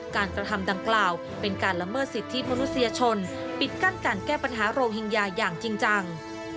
กระทำดังกล่าวเป็นการละเมิดสิทธิมนุษยชนปิดกั้นการแก้ปัญหาโรฮิงญาอย่างจริงจัง